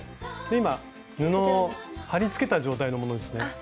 今布を貼り付けた状態のものですね。